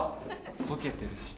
こけてるし。